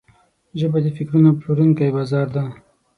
ژبه د فکرونو پلورونکی بازار ده